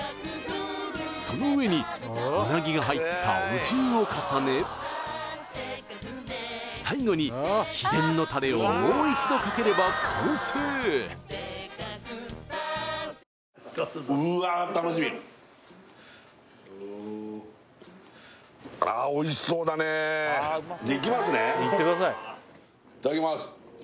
その上にうなぎが入ったお重を重ね最後に秘伝のタレをもう一度かければ完成うわ楽しみあらおいしそうだねいきますね